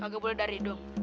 gak boleh dari hidung